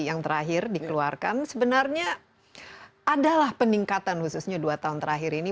yang terakhir dikeluarkan sebenarnya adalah peningkatan khususnya dua tahun terakhir ini